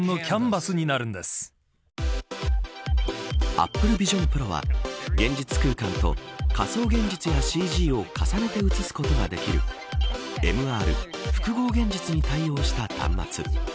ＡｐｐｌｅＶｉｓｉｏｎＰｒｏは現実空間と仮想現実やＣＧを重ねて映すことができるＭＲ、複合現実に対応した端末。